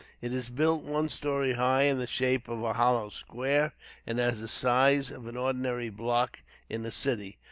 It is built one story high, in the shape of a hollow square, and has the size of an ordinary block in a city.